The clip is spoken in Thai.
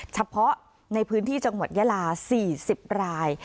เฉพาะในพื้นที่จังหวัดยาลา๔๐ราย